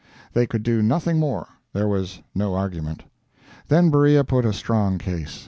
They could do nothing more; there was no argument. Then Beriah put a strong case.